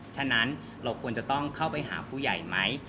ฉะนั้นเราควรจะต้องเข้าไปหาผู้ใหญ่ไหม